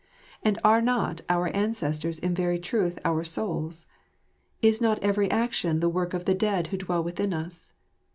Are not our ancestors in very truth our souls? Is not every action the work of the dead who dwell within us?